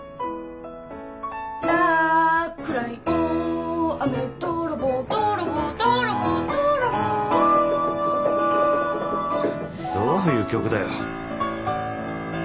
「落雷大雨泥棒泥棒泥棒泥棒」どういう曲だよ。